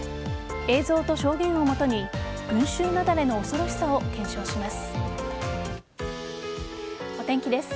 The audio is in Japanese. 映像と証言をもとに群衆雪崩の恐ろしさを検証します。